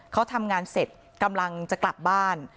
เขาทำงานเสร็จกำลังจะกลับบ้าน